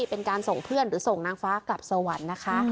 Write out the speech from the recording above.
เป็นการส่งเพื่อนหรือส่งนางฟ้ากลับสวรรค์นะคะ